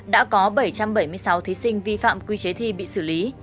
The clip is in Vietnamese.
đã có bảy trăm bảy mươi sáu thí sinh vi phạm quy chế thi bị xử lý